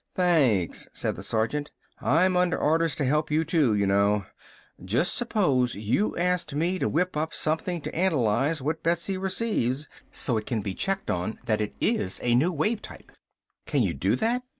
"Thanks," said the sergeant. "I'm under orders to help you, too, y'know. Just supposing you asked me to whip up something to analyze what Betsy receives, so it can be checked on that it is a new wave type." "Can you do that?"